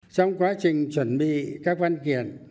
trong quá trình chuẩn bị các văn kiện